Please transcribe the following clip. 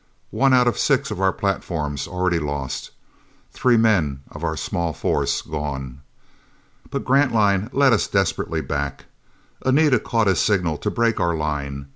One out of six of our platforms already lost! Three men of our small force gone! But Grantline led us desperately back. Anita caught his signal to break our line.